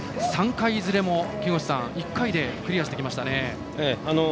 ３回いずれも、１回でクリアしてきましたね。